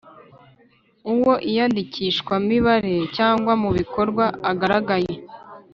Uwo iyandikishamibare cyangwa mu bikorwa agaragaye